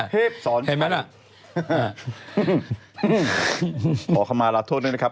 ห่อคำมารับโทษด้วยนะครับ